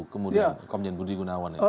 kemudian komjen budi gunawan